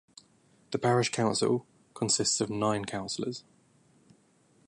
The parish council consists of nine councillors.